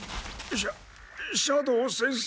しゃ斜堂先生。